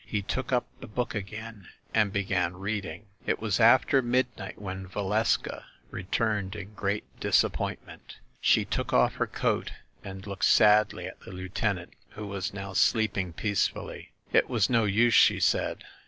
He took up the book again and be gan reading. It was after midnight when Valeska returned in great disappointment. She took off her coat and looked THE ASSASSINS' CLUB 269 sadly at the lieutenant, who was now sleeping peace fully. "It was no use," she said.